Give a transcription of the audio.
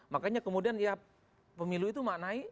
makanya kemudian ya pemilu itu maknai